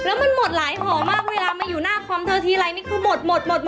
เพื่ออะไรเช็ดผุนใช้ผุนอยู่นี่ไงเช็ด